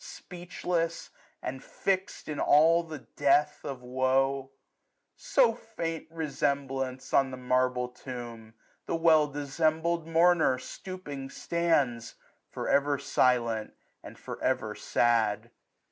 Speechless, and (ix'd in all the death of woe ? So, faint resemblance ! on the marble tomb, 1220 The well dissembled mourner stooping stands. For ever silent, and for ever sad.